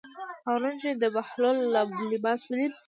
هارون چې د بهلول لباس ولید.